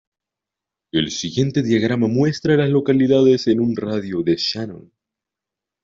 El siguiente diagrama muestra a las localidades en un radio de de Shannon.